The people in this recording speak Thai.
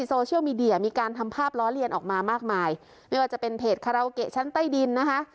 โซเชียลมีเดียมีการทำภาพล้อเลียนออกมามากมายไม่ว่าจะเป็นเพจคาราโอเกะชั้นใต้ดินนะคะ